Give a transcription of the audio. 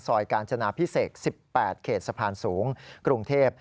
กาญจนาพิเศษ๑๘เขตสะพานสูงกรุงเทพ